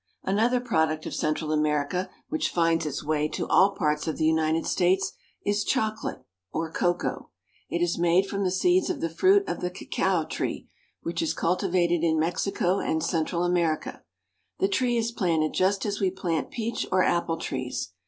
Another product of Central America which finds its way to all parts of the United States is chocolate or cocoa. It is made from the seeds of the fruit of the cacao tree, which is cultivated in Mexico and Central America. The tree is planted just as we plant peach or apple trees.